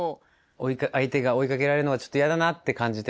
相手が追いかけられるのがちょっと嫌だなって感じても。